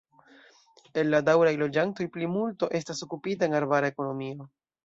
El la daŭraj loĝantoj plimulto estas okupita en arbara ekonomio.